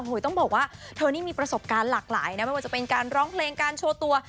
ต้องบอกว่าเธอนี่มีประสบการณ์หลากหลายนะไม่ว่าจะเป็นการร้องเพลงการโชว์ตัว